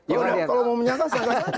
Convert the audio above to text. kalau mau menyangka silakan saja